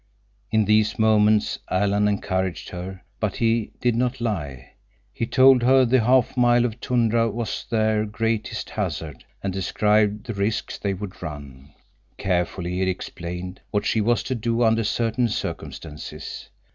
In these moments Alan encouraged her, but he did not lie. He told her the half mile of tundra was their greatest hazard, and described the risks they would run. Carefully he explained what she was to do under certain circumstances.